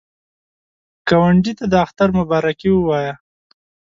ګاونډي ته د اختر مبارکي ووایه